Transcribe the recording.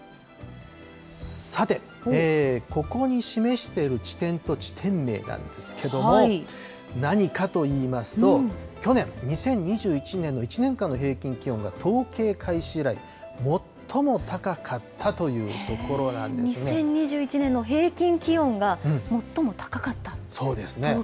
さて、ここに示している地点と地点名なんですけれども、何かといいますと、去年・２０２１年の１年間の平均気温が統計開始以来、２０２１年の平均気温が、そうですね。